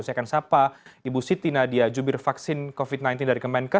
saya akan sapa ibu siti nadia jubir vaksin covid sembilan belas dari kemenkes